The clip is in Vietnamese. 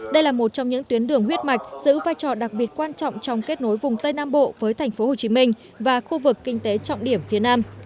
đây là một trong những tuyến đường huyết mạch giữ vai trò đặc biệt quan trọng trong kết nối vùng tây nam bộ với tp hcm và khu vực kinh tế trọng điểm phía nam